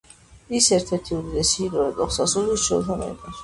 ის ერთ-ერთი უდიდესი ჰიდროელექტროსადგურია ჩრდილოეთ ამერიკაში.